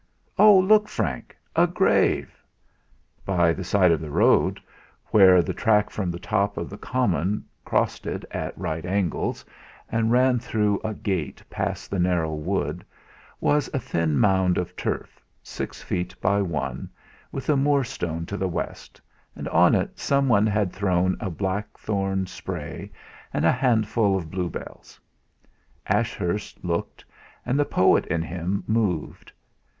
"Oh! Look, Frank! A grave!" By the side of the road, where the track from the top of the common crossed it at right angles and ran through a gate past the narrow wood, was a thin mound of turf, six feet by one, with a moorstone to the west, and on it someone had thrown a blackthorn spray and a handful of bluebells. Ashurst looked, and the poet in him moved.